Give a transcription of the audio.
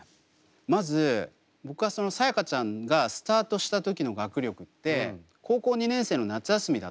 まず僕はそのさやかちゃんがスタートした時の学力って高校２年生の夏休みだったんですよ。